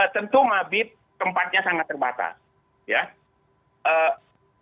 tentu mabit tempatnya sangat terbatas ya